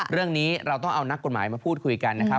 เรื่องนี้เราต้องเอานักกฎหมายมาพูดคุยกันนะครับ